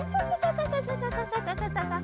ササササササ！